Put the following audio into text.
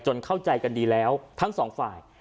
เข้าใจกันดีแล้วทั้งสองฝ่าย